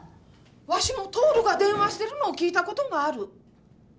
わしも徹が電話してるのを聞いたことがある。